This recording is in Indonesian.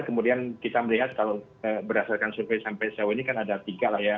kemudian kita melihat kalau berdasarkan survei sampai sejauh ini kan ada tiga lah ya